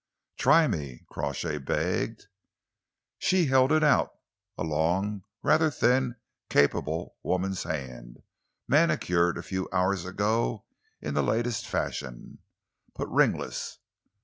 "Try me," Crawshay begged. She held it out a long, rather thin, capable woman's hand, manicured a few hours ago in the latest fashion, but ringless.